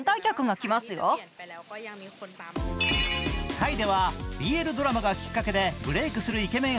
タイではＢＬドラマがきっかけでブレイクするイケメン